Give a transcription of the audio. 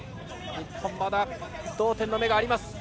日本、まだ同点の芽があります。